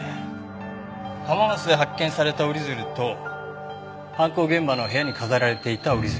浜松で発見された折り鶴と犯行現場の部屋に飾られていた折り鶴。